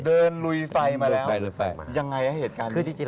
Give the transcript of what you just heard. เดินลุยไฟมาแล้วยังไงอย่างนี้